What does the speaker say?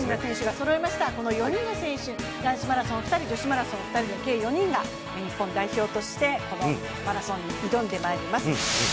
この４人の選手、男子マラソン２人、女子マラソン２人の計４人が日本代表としてマラソンに挑んでまいります。